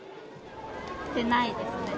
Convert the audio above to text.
出てないですね。